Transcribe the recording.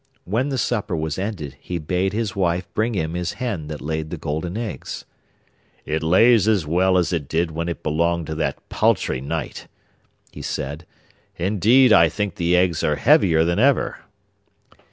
When the supper was ended he bade his wife bring him his hen that laid the golden eggs. 'It lays as well as it did when it belonged to that paltry knight,' he said; 'indeed I think the eggs are heavier than ever.